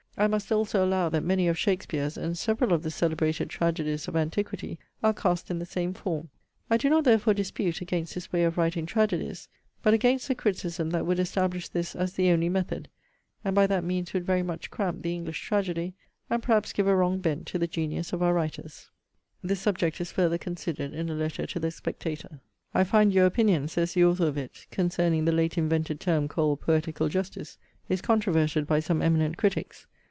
I must also allow, that many of Shakespeare's, and several of the celebrated tragedies of antiquity, are cast in the same form. I do not, therefore, dispute against this way of writing tragedies; but against the criticism that would establish this as the only method; and by that means would very much cramp the English tragedy, and perhaps give a wrong bent to the genius of our writers.' * Yet, in Tamerlane, two of the most amiable characters, Moneses and Arpasia, suffer death. This subject is further considered in a letter to the Spectator.* * See Spect. Vol. VII. No. 548. 'I find your opinion,' says the author of it, 'concerning the late invented term called poetical justice, is controverted by some eminent critics.